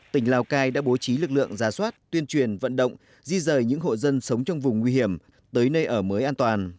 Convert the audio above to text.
tỉnh lào cai đã bố trí lực lượng ra soát tuyên truyền vận động di rời những hộ dân sống trong vùng nguy hiểm tới nơi ở mới an toàn